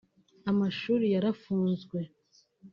Amashuri yarafunzwe